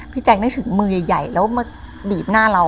แจ๊คนึกถึงมือใหญ่แล้วมาบีบหน้าเรา